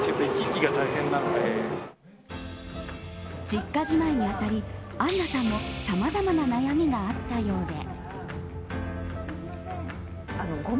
実家じまいにあたりアンナさんもさまざまな悩みがあったようで。